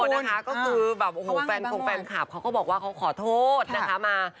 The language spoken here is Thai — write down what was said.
โอ้นะคะก็คือแฟนคลุมแฟนคลับเขาก็บอกว่าเขาขอโทษนะคะมา